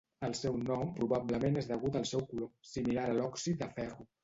El seu nom probablement és degut al seu color, similar a l'òxid de ferro.